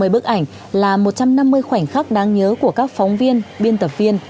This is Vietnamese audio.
một mươi bức ảnh là một trăm năm mươi khoảnh khắc đáng nhớ của các phóng viên biên tập viên